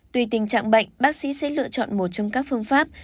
tùy tình trạng bệnh bác sĩ sẽ lựa chọn một trong các phương pháp